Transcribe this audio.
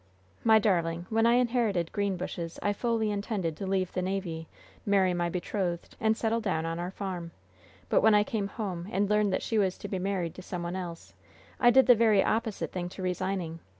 "My darling, when I inherited Greenbushes, I fully intended to leave the navy, marry my betrothed, and settle down on our farm. But, when I came home and learned that she was to be married to some one else, I did the very opposite thing to resigning.